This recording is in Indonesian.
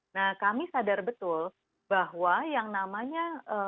nah kami sadar betul bahwa yang namanya